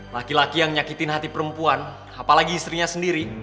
laki laki yang nyakitin hati perempuan apalagi istrinya sendiri